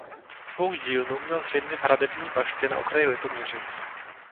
Svou dílnu měl zřejmě v hradební baště na okraji Litoměřic.